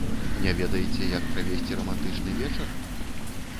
Не ведаеце, як правесці рамантычны вечар?